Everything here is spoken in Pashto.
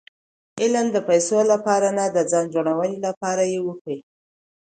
علم د پېسو له پاره نه؛ د ځان جوړوني له پاره ئې وکئ!